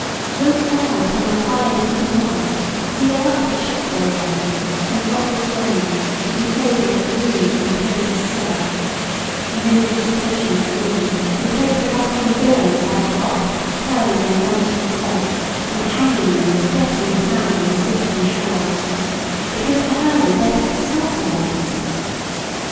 Wilt thou upon the high and giddy mast Seal up the ship boy's eyes, and rock his brains In cradle of the rude, imperious surge, And in the visitation of the winds, Who take the ruffian billows by the top, Curling their monstrous heads, and hanging them With deafening clamor in the slippery shrouds, That with the hurly, death itself awakes?